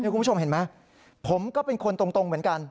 คุณผู้ชมเห็นไหมผมก็เป็นคนตรงเหมือนกัน